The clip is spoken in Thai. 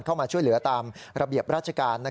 เข้ามาช่วยเหลือตามระเบียบราชการ